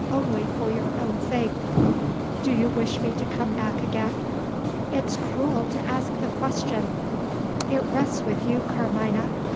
Only for your own sake." "Do you wish me to come back again?" "It's cruel to ask the question!" "It rests with you, Carmina.